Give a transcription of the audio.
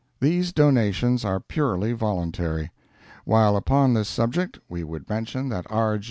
These donations are purely voluntary. While upon this subject, we would mention that R.